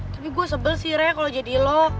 tapi gue sebel sih re kalo jadi lo